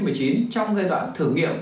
trong giai đoạn thử nghiệm